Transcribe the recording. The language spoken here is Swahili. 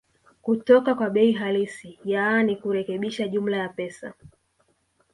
kutoka kwa bei halisi yaani kurekebisha jumla ya pesa